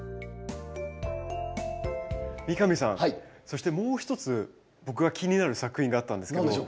三上さんそしてもう一つ僕が気になる作品があったんですけど。